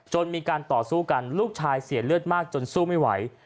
มีการต่อสู้กันลูกชายเสียเลือดมากจนสู้ไม่ไหว